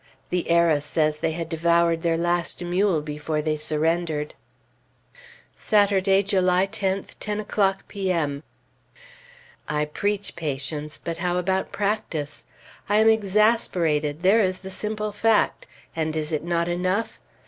The "Era" says they had devoured their last mule before they surrendered. Saturday, July 10th, 10 o'clock P.M. I preach patience; but how about practice? I am exasperated! there is the simple fact. And is it not enough?